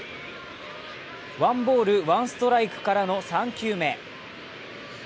ワンボール・ワンストライクからの３球目。